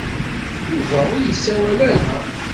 Yuba ur d-yessawel ara.